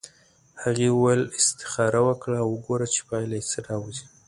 هغې وویل استخاره وکړه او وګوره چې پایله یې څه راوځي.